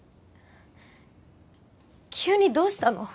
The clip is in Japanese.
急にどうしたの？